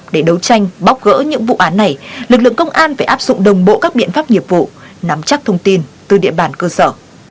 để đấu tranh bóc gỡ những vụ án này lực lượng công an phải áp dụng đồng bộ các biện pháp nghiệp vụ nắm chắc thông tin từ địa bàn cơ sở